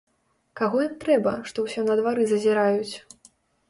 Каго ім трэба, што ўсё на двары зазіраюць?